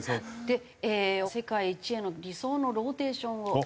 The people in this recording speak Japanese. で世界一への理想のローテーションを予想